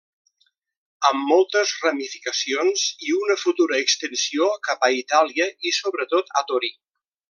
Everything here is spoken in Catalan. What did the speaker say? Amb moltes ramificacions, i una futura extensió cap a Itàlia i sobretot a Torí.